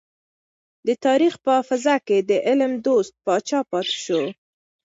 د تاريخ په حافظه کې د علم دوست پاچا پاتې شو.